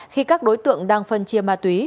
khi các đối tượng đang phân chia ma túy